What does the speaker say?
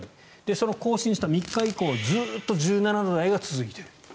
その更新した３日以降ずっと１７度台が続いている。